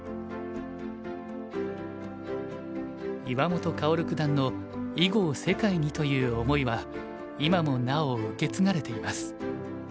岩本薫九段の「囲碁を世界に」という思いは今もなお受け継がれています。